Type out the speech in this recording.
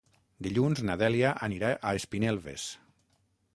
Dilluns na Dèlia anirà a Espinelves.